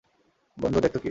বন্ধু, দেখতো কী।